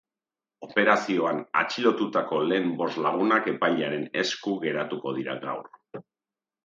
Operazioan atxilotutako lehen bost lagunak epailearen esku geratuko dira gaur.